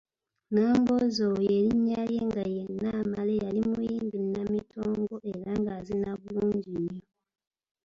Nambooze oyo erinnya lye nga ye Namale yali muyimbi nnamitongo era ng'azina bulungi nnyo.